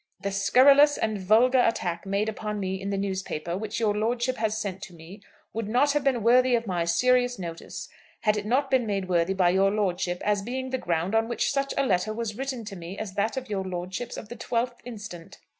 The scurrilous and vulgar attack made upon me in the newspaper which your lordship has sent to me would not have been worthy of my serious notice had it not been made worthy by your lordship as being the ground on which such a letter was written to me as that of your lordship's of the 12th instant.